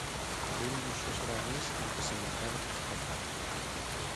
Abril non só será o mes en que sementar e transplantar.